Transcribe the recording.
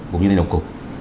cũng như lãnh đạo cục